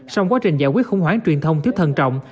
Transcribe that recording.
xong quá trình giải quyết khủng hoảng truyền thông thiếu thần trọng